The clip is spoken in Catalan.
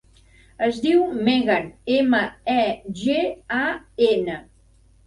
Es diu Megan: ema, e, ge, a, ena.